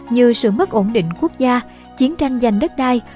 như sự mất ổn định quốc gia chiến tranh giành đất đai